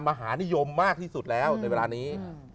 มหานิยมมากที่สุดแล้วในเวลานี้